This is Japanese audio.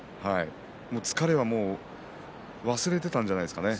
疲れはもう忘れていたんじゃないでしょうか。